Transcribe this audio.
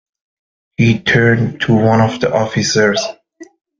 He turned to one of the officers.